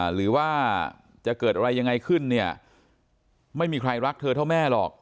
หรือว่าจะเกิดอะไรยังไงขึ้นเนี่ยไม่มีใครรักเธอเท่าแม่หรอก